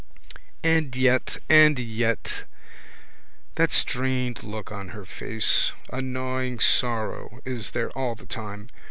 And yet and yet! That strained look on her face! A gnawing sorrow is there all the time.